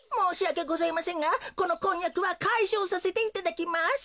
ございませんがこのこんやくはかいしょうさせていただきます。